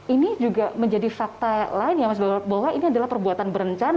ini juga menjadi fakta lain ya mas bapak bahwa ini adalah perbuatan berencana